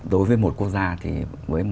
đối với một quốc gia thì với một trăm sáu mươi bốn